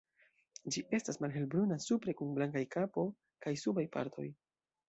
Ĝi estas malhelbruna supre kun blankaj kapo kaj subaj partoj.